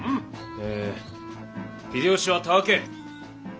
え秀吉はたわけ。